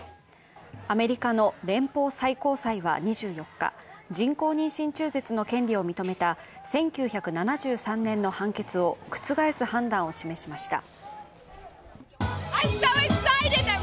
アメリカの連邦最高裁は２４日、人工妊娠中絶の権利を認めた１９７３年の判決を覆す判断を示しました。